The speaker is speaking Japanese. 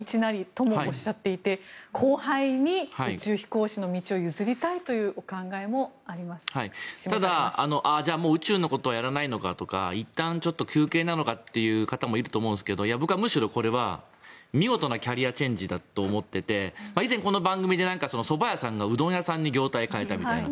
若新さん個を遂げ身を退くは天の道なりともおっしゃっていて後輩に宇宙飛行士の道を譲りたいというただ、じゃあ宇宙のことはもうやらないのかとかいったん休憩なのかとか思う人がいると思うんですが僕はむしろこれは見事なキャリアチェンジだと思っていて以前、この番組でそば屋さんがうどん屋さんに業態を変えたみたいな。